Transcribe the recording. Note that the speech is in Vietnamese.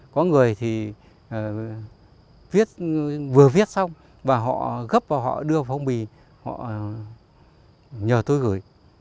có người thì vừa viết xong và họ gấp vào họ đưa phong bì họ nhờ tôi gửi